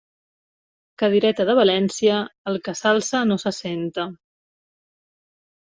Cadireta de València, el que s'alça no s'assenta.